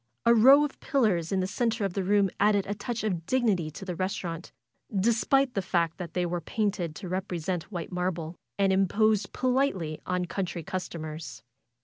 A row of pillars in the center of the room added a touch of dignity to the restaurant, despite the fact that they were painted to represent white marble, and imposed politely on country customers.